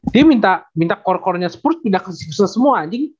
dia minta core corenya sepurs pindah ke sixers semua anjing